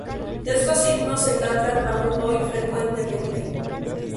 Estos himnos se cantan aún hoy frecuentemente.